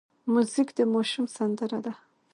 موزیک د ماشوم سندره ده.